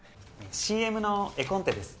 ＣＭの絵コンテです